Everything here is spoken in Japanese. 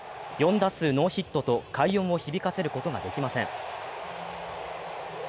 ４打数ノーヒットと快音を響かせることができません。